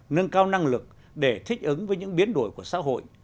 nâng cao năng lực để thích ứng với những biến đổi của xã hội